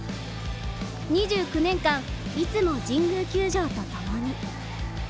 ２９年間いつも神宮球場とともに。